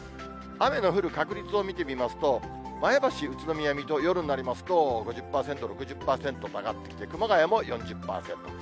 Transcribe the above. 雨の降る確率を見てみますと、前橋、宇都宮、水戸、夜になりますと、５０％、６０％と上がってきて、熊谷も４０％。